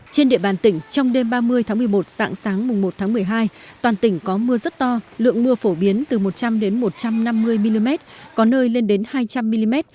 trên địa bàn tỉnh trong đêm ba mươi tháng một mươi một sáng sáng mùng một tháng một mươi hai toàn tỉnh có mưa rất to lượng mưa phổ biến từ một trăm linh một trăm năm mươi mm có nơi lên đến hai trăm linh mm